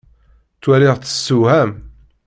Ttwaliɣ-tt tessewham.